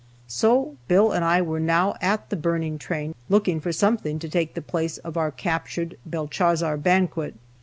So Bill and I were now at the burning train, looking for something to take the place of our captured Belshazzar banquet.